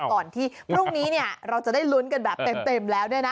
ก่อนที่พรุ่งนี้เราจะได้ลุ้นกันแบบเต็มแล้วเนี่ยนะ